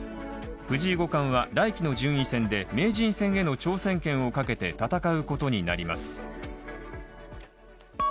藤井五冠は来期の順位戦で名人戦への挑戦権をかけて戦うことになります。